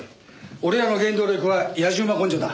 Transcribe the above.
俺らの原動力は野次馬根性だ。